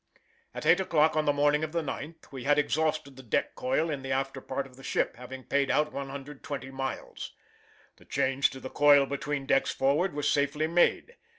At eight o'clock on the morning of the 9th we had exhausted the deck coil in the after part of the ship, having paid out 120 miles. The change to the coil between decks forward was safely made.